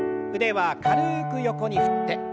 腕は軽く横に振って。